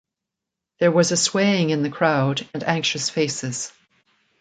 There was a swaying in the crowd and anxious faces.